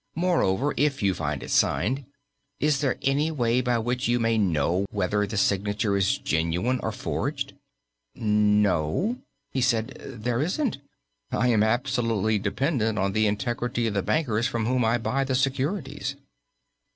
Moreover, if you find it signed, is there any way by which you may know whether the signature is genuine or forged?" "No," he said, "there isn't. I am absolutely dependent on the integrity of the bankers from whom I buy the securities."